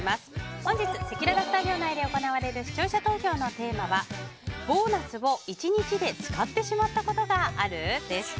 本日せきららスタジオ内で行われる視聴者投票のテーマはボーナスを１日で使ってしまったことがある？です。